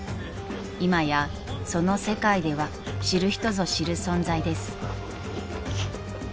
［今やその世界では知る人ぞ知る存在です］